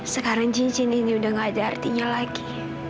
sekarang cincin ini udah gak ada artinya lagi